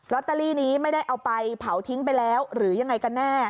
ตเตอรี่นี้ไม่ได้เอาไปเผาทิ้งไปแล้วหรือยังไงกันแน่